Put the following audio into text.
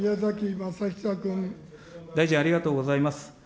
大臣、ありがとうございます。